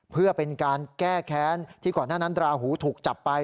เพื่อเป็นการแก้แค้นที่ก่อนหน้านั้นราหูถูกจับไป